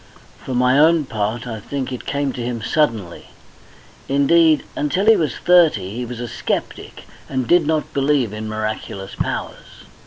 For my own part, I think it came to him suddenly. Indeed, until he was thirty he was a sceptic, and did not believe in miraculous powers.